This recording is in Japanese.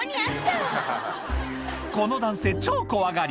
この男性、超怖がり。